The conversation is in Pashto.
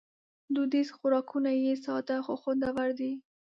دودیز خوراکونه یې ساده خو خوندور دي.